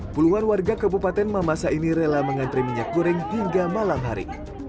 puluhan warga kabupaten mamasa ini rela mengantri minyak goreng hingga malam hari